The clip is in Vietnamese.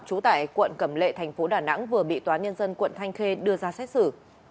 trú tại quận cẩm lệ thành phố đà nẵng vừa bị tòa nhân dân quận thanh khê đưa ra xét xử